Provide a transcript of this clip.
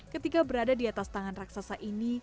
ketika berada di atas tangan raksasa ini